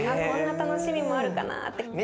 こんな楽しみもあるかなって。